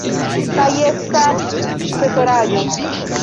Kaj estas ceteraĵo.